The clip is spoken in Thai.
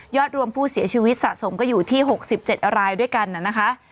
รวมผู้เสียชีวิตสะสมก็อยู่ที่๖๗รายด้วยกันนะคะ